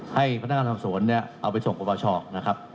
ให้พนักงานขอบสวนเอาไปส่งปปชนะครับ